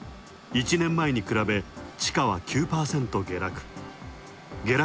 １年前に比べ、地価は９％下落。